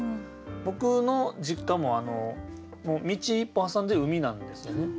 僕の実家も道一本挟んで海なんですよね。